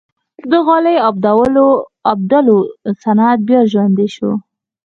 د غالۍ اوبدلو صنعت بیا ژوندی شو؟